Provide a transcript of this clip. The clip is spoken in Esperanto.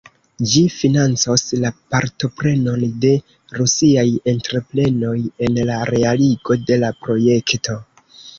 Ĝi financos la partoprenon de rusiaj entreprenoj en la realigo de la projekto.